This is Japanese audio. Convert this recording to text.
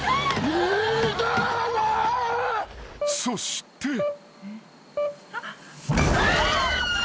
［そして］